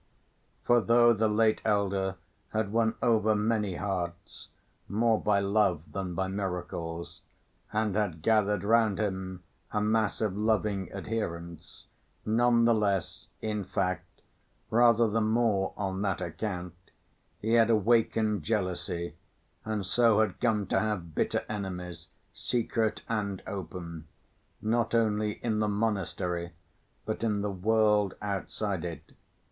For though the late elder had won over many hearts, more by love than by miracles, and had gathered round him a mass of loving adherents, none the less, in fact, rather the more on that account he had awakened jealousy and so had come to have bitter enemies, secret and open, not only in the monastery but in the world outside it.